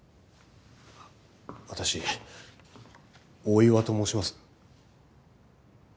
私大岩と申します。